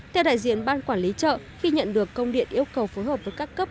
theo đại diện ban quản lý chợ khi nhận được công điện yêu cầu phối hợp với các cấp